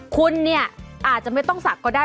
คุณเนี่ยอาจจะไม่ต้องศักดิ์ก็ได้